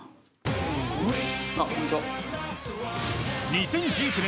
２０１９年